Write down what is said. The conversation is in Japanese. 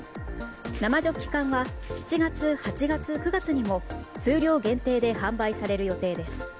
生ジョッキ缶は７月、８月、９月にも数量限定で販売される予定です。